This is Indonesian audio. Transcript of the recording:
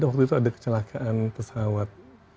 waktu itu ada kecelakaan pesawat